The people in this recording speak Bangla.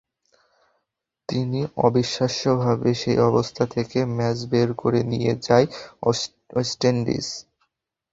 কিন্তু অবিশ্বাস্যভাবে সেই অবস্থা থেকে ম্যাচ বের করে নিয়ে যায় ওয়েস্ট ইন্ডিজ।